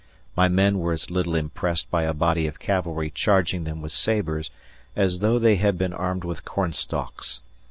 My men were as little impressed by a body of cavalry charging them with sabres as though they had been armed with cornstalks.